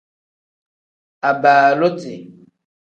Abaaluti.